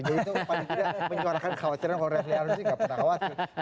jadi itu paling tidak menyebarakan kekhawatiran orang orang yang ada di sini nggak pernah khawatir